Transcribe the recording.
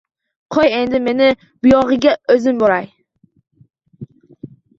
Qo‘y endi meni, buyog‘iga o‘zim boray.